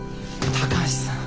高橋さん